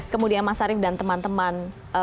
kemudian mas arief dan teman teman